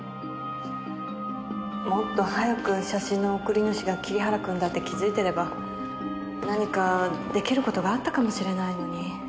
もっと早く写真の送り主が桐原君だって気づいてれば何か出来る事があったかもしれないのに。